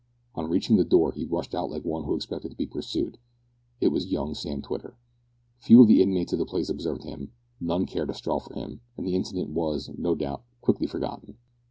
On reaching the door, he rushed out like one who expected to be pursued. It was young Sam Twitter. Few of the inmates of the place observed him, none cared a straw for him, and the incident was, no doubt, quickly forgotten.